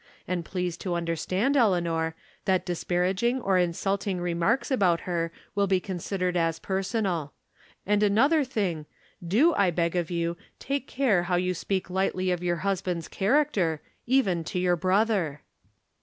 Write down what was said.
And please to understand, Elea nor, that disparaging or insvilting remarks about her wlLI be considered as personal. And another thing do, I beg of you, take care how you speak lightly of your husband's character, even to your brother."